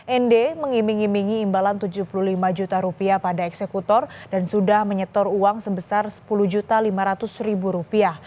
ende mengiming imingi imbalan tujuh puluh lima juta rupiah pada eksekutor dan sudah menyetor uang sebesar sepuluh lima ratus rupiah